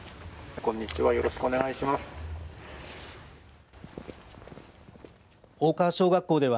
こんにちは。